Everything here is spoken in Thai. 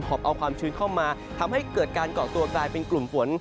บเอาความชื้นเข้ามาทำให้เกิดการเกาะตัวกลายเป็นกลุ่มฝน